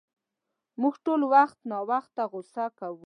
مونږ ټول وخت ناوخته غصه کوو.